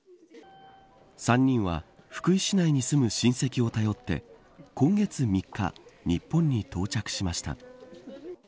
３人は福井市内に住む親戚を頼って今月３日、日本に到着しました。